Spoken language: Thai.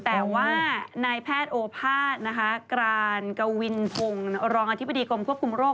แต่ว่านายแพทย์โอภาษย์นะคะกรานกวินพงศ์รองอธิบดีกรมควบคุมโรค